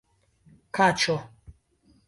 kaĉo